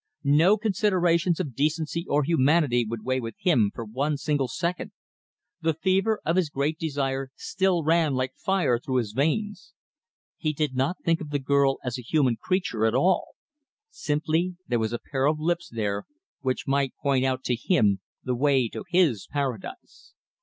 No considerations of decency or humanity would weigh with him for one single second. The fever of his great desire still ran like fire through his veins. He did not think of the girl as a human creature at all. Simply there was a pair of lips there which might point out to him the way to his Paradise.